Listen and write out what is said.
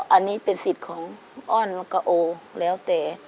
อันนี้เป็นสิทธิ์ของอ้อนแล้วก็โอแล้วแต่